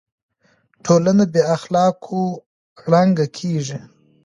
ټولنه بې اخلاقو ړنګه کيږي.